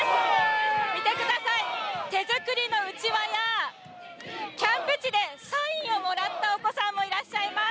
見てください、手作りのうちわやキャンプ地でサインをもらったお子さんもいらっしゃいます。